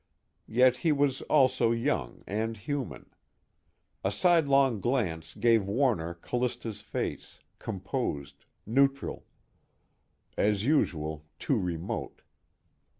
Yet he was also young, and human. A sidelong glance gave Warner Callista's face, composed, neutral. As usual, too remote.